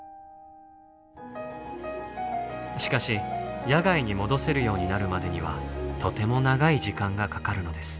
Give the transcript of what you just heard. しかし野外に戻せるようになるまでにはとても長い時間がかかるのです。